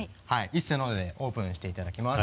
いっせのでオープンしていただきます。